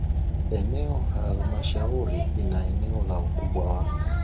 Eneo Halmashauri ina eneo la ukubwa wa